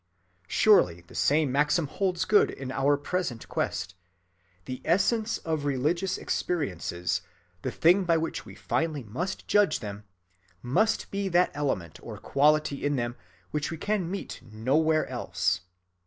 Surely the same maxim holds good in our present quest. The essence of religious experiences, the thing by which we finally must judge them, must be that element or quality in them which we can meet nowhere else.